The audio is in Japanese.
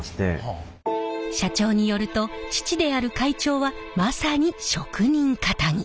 社長によると父である会長はまさに職人かたぎ。